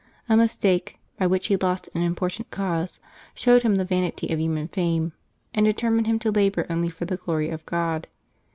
A mistake, by which he lost an im portant cause, showed him the vanity of human fame, and determined him to labor only for the glory of God.